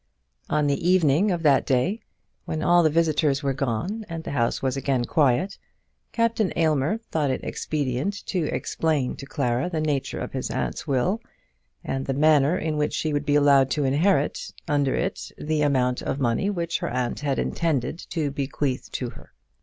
On the evening of that day, when all the visitors were gone and the house was again quiet, Captain Aylmer thought it expedient to explain to Clara the nature of his aunt's will, and the manner in which she would be allowed to inherit under it the amount of money which her aunt had intended to bequeath to her.